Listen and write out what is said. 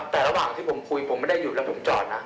แต่ระหว่างที่ผมคุยผมไม่ได้หยุดแล้วผมจอดนะ